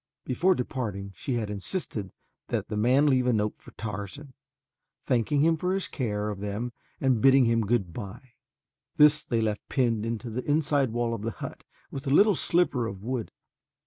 Before departing she had insisted that the man leave a note for Tarzan thanking him for his care of them and bidding him goodbye. This they left pinned to the inside wall of the hut with a little sliver of wood.